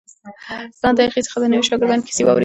ما له هغې څخه د نویو شاګردانو کیسې واورېدې.